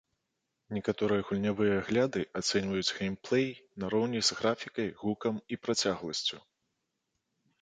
Некаторыя гульнявыя агляды ацэньваюць геймплэй нароўні з графікай, гукам і працягласцю.